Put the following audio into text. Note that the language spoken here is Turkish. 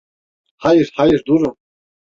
Hayır, hayır, durun.